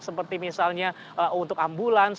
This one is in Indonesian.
seperti misalnya untuk ambulans